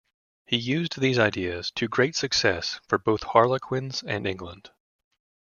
He used these ideas to great success for both Harlequins and England.